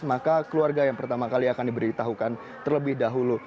maka keluarga yang pertama kali akan diberitahukan terlebih dahulu